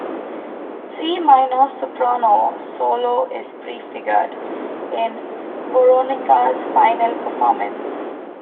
Its E minor soprano solo is prefigured in Weronika's final performance.